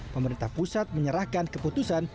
pemerintah pusat menyerahkan keputusan